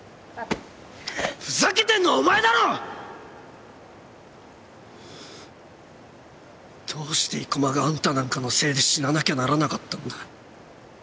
ふざけてんのはお前だろ！！どうして生駒があんたなんかのせいで死ななきゃならなかったんだ。